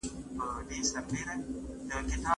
تغذیې متخصصه پلان جوړ کړ.